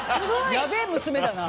やべえ娘だな。